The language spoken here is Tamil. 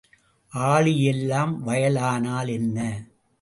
ஆழி எல்லாம் வயல் ஆனால் என்ன?